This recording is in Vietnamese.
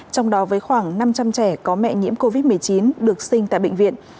trong đó với khoảng năm trăm linh trẻ có mẹ nhiễm covid một mươi chín được sinh tại bệnh viện